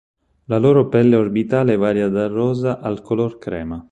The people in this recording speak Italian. La loro pelle orbitale varia dal rosa al color crema.